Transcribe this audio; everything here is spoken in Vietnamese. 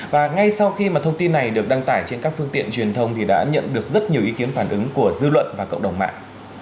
và ngay sau khi mà thông tin này được đăng tải trên các phương tiện truyền thông thì đã nhận được rất nhiều ý kiến phản ứng của dư luận và cộng đồng mạng